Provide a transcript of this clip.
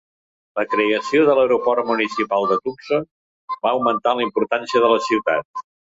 La creació de l'aeroport municipal de Tucson va augmentar la importància de la ciutat.